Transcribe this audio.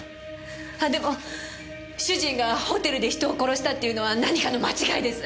あでも主人がホテルで人を殺したっていうのは何かの間違いです！